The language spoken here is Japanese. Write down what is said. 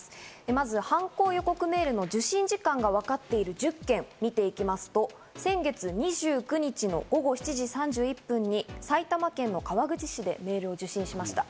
まず犯行予告メールの受信時間がわかっている１０件を見ていきますと、先月２９日の午後７時３１分に埼玉県川口市でメールを受信しました。